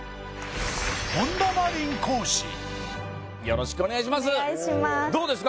よろしくお願いします